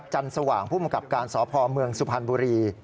จันทร์สว่างผู้บังกับการสอบภอมเมืองสุพรรณบุรี